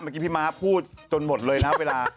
เมื่อกี้พี่ม้าพูดจนหมดเลยนะเวลา